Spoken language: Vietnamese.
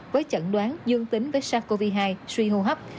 với chẩn đoán dương tính với sars cov hai suy hô hấp